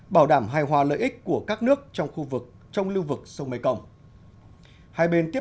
bảo đảm hài hòa lợi ích của các nước trong lưu vực sông mekong